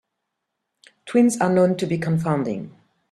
Twins are known to be confounding.